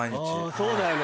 そうだよね。